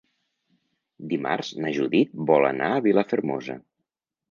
Dimarts na Judit vol anar a Vilafermosa.